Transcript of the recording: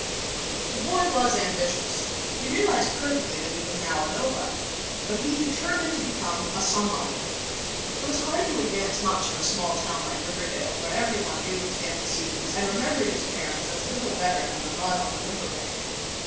The boy was ambitious. He realized perfectly that he was now a nobody, but he determined to become a somebody. It was hard to advance much in a small town like Riverdale, where everyone knew his antecedents and remembered his parents as little better than the mud on the river bank.